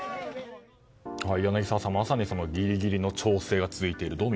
柳澤さん、まさにぎりぎりの調整が続いている。